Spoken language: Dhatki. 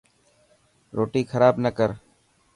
روٽي خراب نه ڪر.